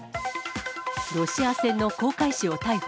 ロシア船の航海士を逮捕。